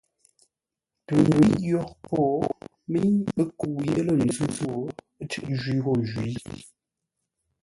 Tə ndə́iʼ yórə́ po, mə́i ə́ kə́u yé lə̂ ńzʉ́ ghô, ə́ cʉ́ʼ jwí ghô jwǐ.